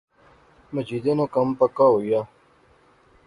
مجیدے ناں کم پکا ہوئی آ